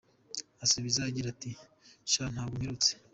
asubiza agira ati, Sha ntabwo mperutse.